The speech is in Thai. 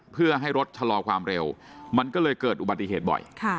เพื่อให้รถชะลอความเร็วมันก็เลยเกิดอุบัติเหตุบ่อย